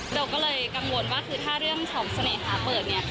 เราก็เลยกังวลว่าคือถ้าเรื่องของเสน่หาเปิดเนี่ย